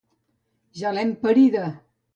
Ja l'hem parida!